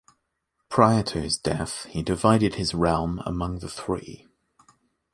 Prior to his death, he divided his realm among the three.